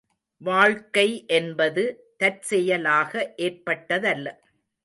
வாழ்க்கை என்பது தற்செயலாக ஏற்பட்டதல்ல.